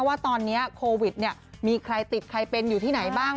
ว่าตอนนี้โควิดมีใครติดใครเป็นอยู่ที่ไหนบ้าง